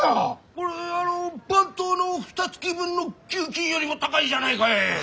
これあの番頭のふたつき分の給金よりも高いじゃないかえ！？